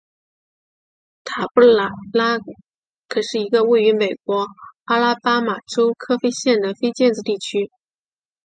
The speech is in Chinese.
塔布莱纳可是一个位于美国阿拉巴马州科菲县的非建制地区。